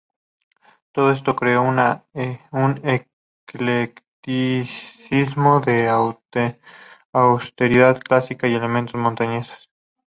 Todo esto creó un eclecticismo de austeridad clásica y elementos montañeses.